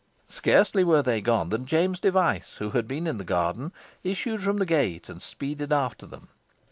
Scarcely were they gone, than James Device, who had been in the garden, issued from the gate and speeded after them.